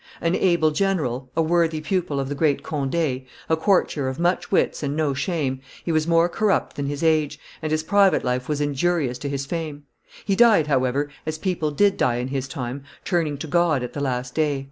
An able general, a worthy pupil of the great Conde, a courtier of much wits and no shame, he was more corrupt than his age, and his private life was injurious to his fame; he died, however, as people did die in his time, turning to God at the last day.